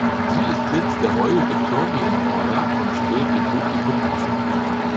Sie ist Sitz des Royal Victorian Order und steht dem Publikum offen.